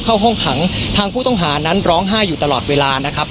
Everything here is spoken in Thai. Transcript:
เข้าห้องขังทางผู้ต้องหานั้นร้องไห้อยู่ตลอดเวลานะครับ